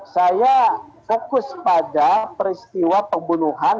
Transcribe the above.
saya fokus pada peristiwa pembunuhan